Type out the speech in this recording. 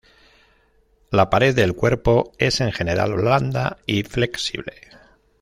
La pared del cuerpo es en general blanda y flexible.